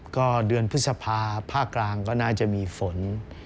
ก็เดือนพฤษภาคกลางก็น่าจะมีฝน